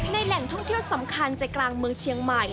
แหล่งท่องเที่ยวสำคัญใจกลางเมืองเชียงใหม่